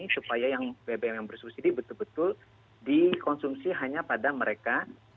supaya yang bbm yang bersubsidi betul betul dikonsumsi hanya pada mereka